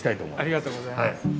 ありがとうございます。